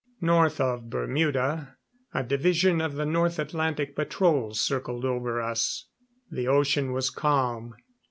North of Bermuda, a division of the North Atlantic patrol circled over us. The ocean was calm.